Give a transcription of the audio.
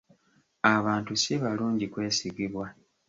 Abantu si balungi kwesigibwa.